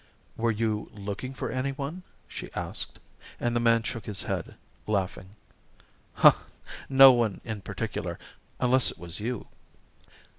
"Were you looking for any one?" she asked, and the man shook his head, laughing. "No one in particular, unless it was you."